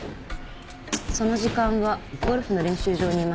その時間はゴルフの練習場にいました。